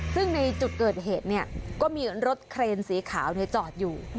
ซึ่งในจุดเกิดเหตุก็มีรถเครนสีขาวจอดอยู่